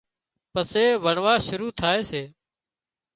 پسي وڻوا شُروع ٿائي سي